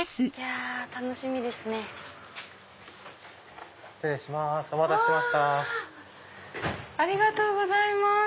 ありがとうございます。